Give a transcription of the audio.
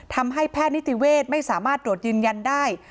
ทำให้แพทย์นิติเวทย์ไม่สามารถตรวจยืนยันได้